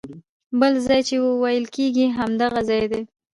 بل ځای چې ویل کېږي همدغه ځای دی.